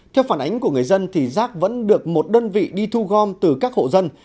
theo phản ánh của người dân thì rác vẫn được một đơn vị đi thu gom từ các hộ dân